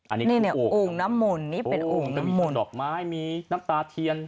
อันนี้นี่เป็นโอ่งนมนต์โอ่งก็มีกับดอกไม้มีน้ำตาเทียน